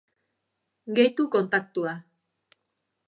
Gehitu kontaktua.